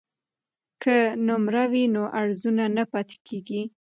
که نمره وي نو ارزونه نه پاتې کیږي.